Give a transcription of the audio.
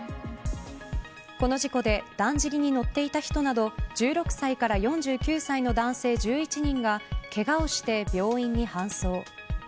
この事故でだんじりに乗っていた人など１６歳から４９歳の男性１１人がけがをして病院に搬送。